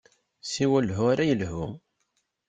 Siwa lehhu ara yelhu.